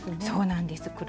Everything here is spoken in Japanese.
そうなんです。